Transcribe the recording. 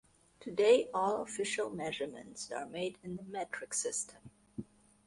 Today all official measurements are made in the metric system.